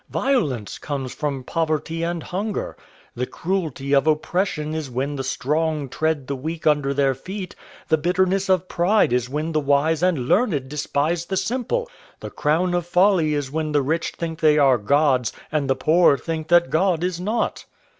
Violence comes from poverty and hunger. The cruelty of oppression is when the strong tread the weak under their feet; the bitterness of pride is when the wise and learned despise the simple; the crown of folly is when the rich think they are gods, and the poor think that God is not.